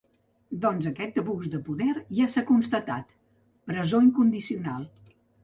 Doncs aquest abús de poder ja s’ha constatat: presó incondicional.